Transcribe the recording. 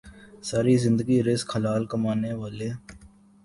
ساری زندگی رزق حلال کمانے والے